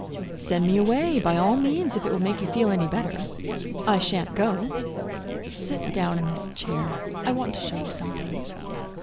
"Send me away, by all means, if it will make you feel any better. I shan't go. Sit down in this chair; I want to show you something."